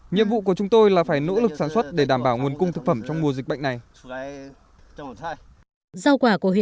nhiệm vụ của chúng tôi là phải nỗ lực sản xuất để đảm bảo nguồn cung thực phẩm trong mùa dịch bệnh này